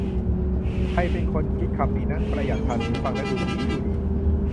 ใครเป็นคนคิดคำนี้นะ "ประหยัดภาษี" ฟังแล้วดูดี๊ดูดี